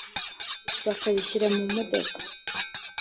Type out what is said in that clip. bakabishyira mu modoka